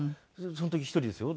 その時１人ですよ。